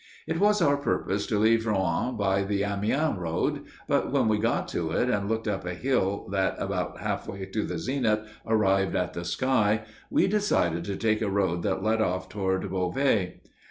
It was our purpose to leave Rouen by the Amiens road, but when we got to it and looked up a hill that, about half way to the zenith, arrived at the sky, we decided to take a road that led off toward Beauvais.